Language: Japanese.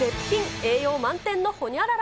栄養満点のホニャララ。